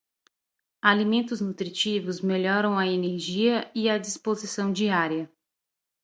Alimentos nutritivos melhoram a energia e a disposição diária.